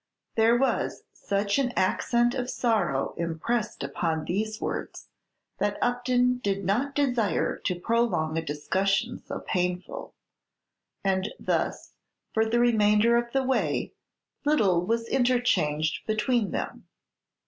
There was such an accent of sorrow impressed upon these words that Upton did not desire to prolong a discussion so painful; and thus, for the remainder of the way, little was interchanged between them.